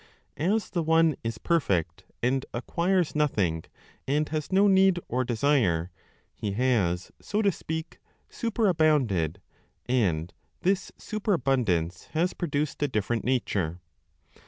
As the One is perfect, and acquires nothing, and has no need or desire, He has, so to speak, superabounded, and this superabundance has produced a different nature.